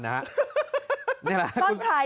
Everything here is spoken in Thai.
ซ่อนใคร